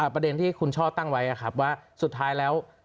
ประเด็นที่คุณช่อตั้งไว้ว่าสุดท้ายแล้ว